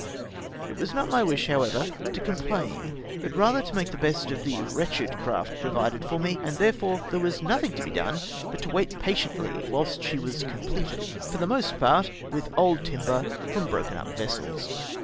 It was not my wish however to complain, but rather to make the best of the wretched craft pro vided for me ; and therefore there was nothing to be done but to wait patiently whilst she was completed, — PROJECTED INVASION BY NAPOLEON. 167 for the most part with old timber from broken iip vessels.